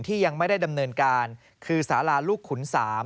ยังไม่ได้ดำเนินการคือสาราลูกขุน๓